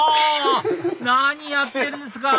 何やってるんですか！